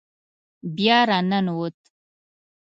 بیا را ننوت.